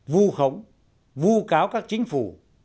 vu khống vu cáo các chính phủ